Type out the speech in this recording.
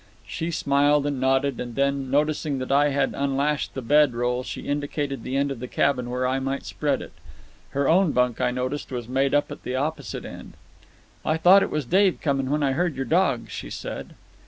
She smiled and nodded, and then, noticing that I had unlashed the bed roll, she indicated the end of the cabin where I might spread it. Her own bunk, I noticed, was made up at the opposite end. "I thought it was Dave coming when I heard your dogs," she said.